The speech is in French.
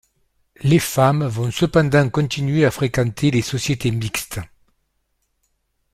Les femmes vont cependant continuer à fréquenter les sociétés mixtes.